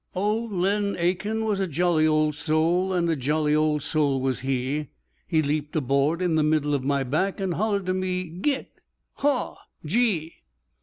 _ Old Len A n was a jolly old soul, and a jolly old soul was he; he leaped aboard in the middle of my back, and hollared to me: "Git! Haw! Gee!"